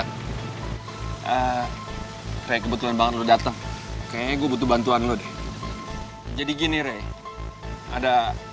saya kebetulan banget lo datang kayaknya gue butuh bantuan lo deh jadi gini rey ada